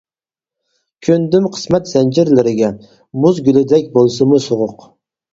كۆندۈم قىسمەت زەنجىرلىرىگە، مۇز گۈلىدەك بولسىمۇ سوغۇق.